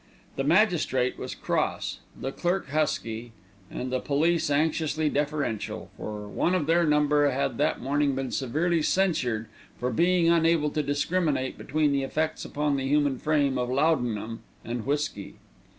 The magistrate was cross, the clerk husky, and the police anxiously deferential, for one of their number had that morning been severely censured for being unable to discriminate between the effects upon the human frame of laudanum and whisky.